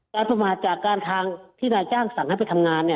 ประมาทจากการทางที่นายจ้างสั่งให้ไปทำงาน